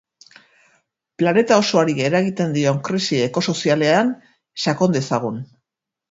Planeta osoari eragiten dion krisi ekosozialean sakon dezagun.